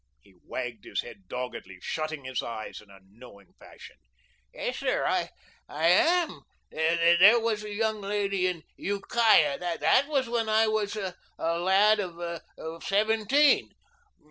He wagged his head doggedly, shutting his eyes in a knowing fashion. "Yes, sir, I am. There was a young lady in Ukiah that was when I was a lad of seventeen.